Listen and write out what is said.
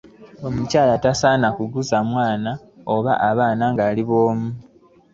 Omukyala teyasaana kukuza mwana oba abaana ng'ali bw'omu.